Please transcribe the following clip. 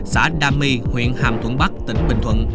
xã đa my huyện hàm thuận bắc tỉnh bình thuận